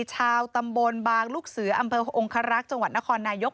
ชาวตำบลบางลูกเสืออำเภอองคารักษ์จังหวัดนครนายก